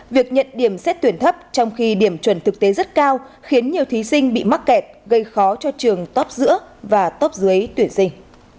việc nhận điểm xét tuyển thấp trong khi điểm chuẩn thực tế rất cao khiến nhiều thí sinh bị mắc kẹt gây khó cho trường top giữa và top dưới tuyển sinh